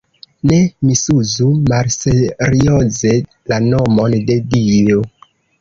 Ne misuzu malserioze la nomon de Dio.